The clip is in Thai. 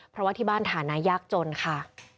เพราะว่าที่บ้านฐานะยากจนค่ะ